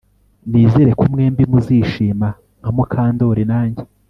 Nizere ko mwembi muzishima nka Mukandoli nanjye